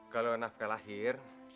kalau nafkah lahir